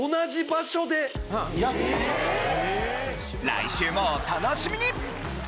来週もお楽しみに！